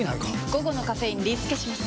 午後のカフェインリスケします！